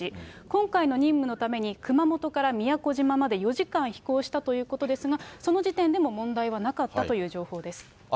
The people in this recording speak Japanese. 今回の任務のために、熊本から宮古島まで４時間飛行したということですが、その時点でも問題はなかったという情報です。